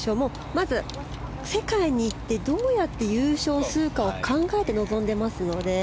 まず世界に行ってどうやって優勝するかを考えて臨んでいますよね。